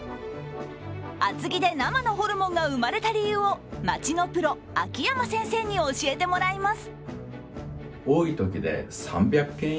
厚木で生のホルモンが生まれた理由を街のプロ・秋山先生に教えてもらいます。